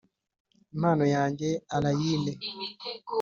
impano yanjye, allayne.